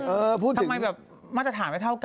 เออพูดถึงไม่สถานพูดเท่ากัน